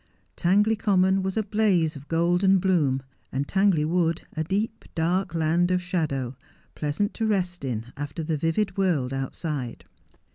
Tangley Common was a blaze of golden bloom, and Tangley "Wood a deep, dai k land of shadow, pleasant to rest in, after the vivid world outside.